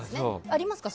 ありますか？